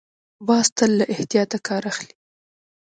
باز تل له احتیاط کار اخلي